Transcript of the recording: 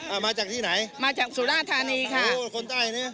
อ่ามาจากที่ไหนมาจากสุราธานีค่ะโอ้คนใต้เนี้ย